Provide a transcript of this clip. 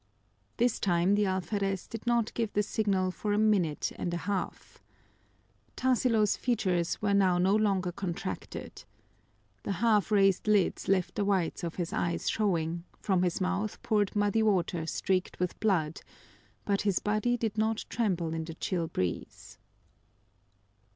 This time the alferez did not give the signal for a minute and a half. Tarsilo's features were now no longer contracted. The half raised lids left the whites of his eyes showing, from his mouth poured muddy water streaked with blood, but his body did not tremble in the chill breeze.